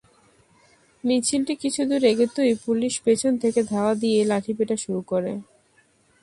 মিছিলটি কিছু দূর এগোতেই পুলিশ পেছন থেকে ধাওয়া দিয়ে লাঠিপেটা শুরু করে।